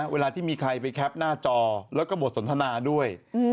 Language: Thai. เวลาที่มีใครไปแคปหน้าจอแล้วก็บทสนทนาด้วย